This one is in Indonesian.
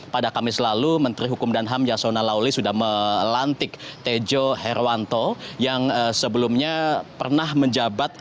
pada kamis lalu menteri hukum dan ham yasona lauli sudah melantik tejo herwanto yang sebelumnya pernah menjabat